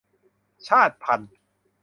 ชาติพันธุ์